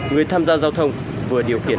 người tham gia giao thông vừa điều khiển